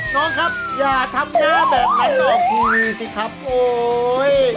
น้องครับอย่าทำหน้าแบบนั้นหรอกพี่สิครับโอ๊ย